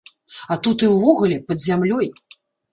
А тут і ўвогуле, пад зямлёй.